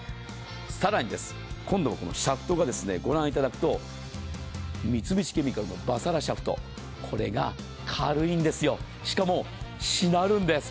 更に、今度はシャフトがご覧いただくと、三菱ケミカル社のＢＡＳＳＡＲＡシャフト、これが軽いんですよ、しかも、しなるんです。